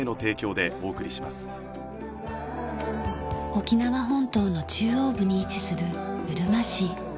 沖縄本島の中央部に位置するうるま市。